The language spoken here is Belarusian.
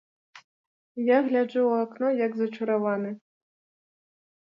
Я гляджу ў акно, як зачараваны.